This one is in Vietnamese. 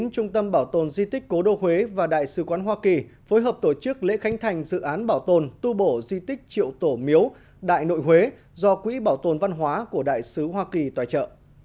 trung tâm bảo tồn di tích cố đô huế và đại sứ quán hoa kỳ phối hợp tổ chức lễ khánh thành dự án bảo tồn tu bổ di tích triệu tổ miếu đại nội huế do quỹ bảo tồn văn hóa của đại sứ hoa kỳ tài trợ